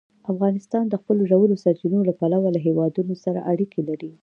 افغانستان د خپلو ژورو سرچینو له پلوه له هېوادونو سره اړیکې لري.